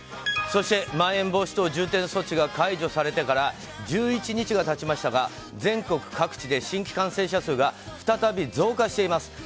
そしてまん延防止等重点措置が解除されてから１１日が経ちましたが全国各地で新規感染者数が再び増加しています。